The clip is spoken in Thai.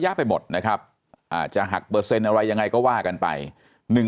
ไปหมดนะครับอาจจะหักเปอร์เซ็นต์อะไรยังไงก็ว่ากันไป